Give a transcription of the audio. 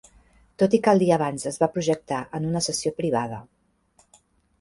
Tot i que el dia abans es va projectar en una sessió privada.